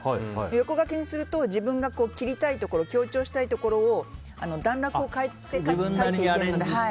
横書きにすると自分が切りたいところ強調したいところを段落を変えて書いていけるので。